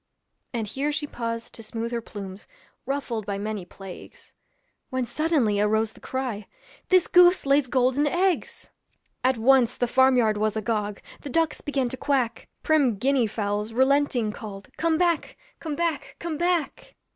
And here she paused to smooth her plumes, Ruffled by many plagues; When suddenly arose the cry, 'This goose lays golden eggs.' At once the farm yard was agog; The ducks began to quack; Prim Guinea fowls relenting called, 'Come back, come back, come back.'